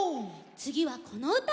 つぎはこのうた！